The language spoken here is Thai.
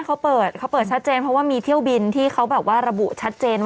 เขาเปิดนะเขาเปิดเพียงจังเพราะว่ามีเที่ยวบินที่เขาระบุจัง